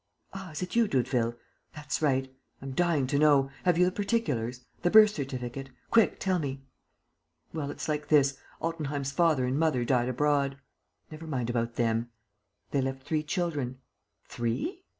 "Ah, is it you, Doudeville? That's right! I'm dying to know. Have you the particulars? The birth certificate? Quick, tell me." "Well, it's like this: Altenheim's father and mother died abroad." "Never mind about them." "They left three children." "Three?"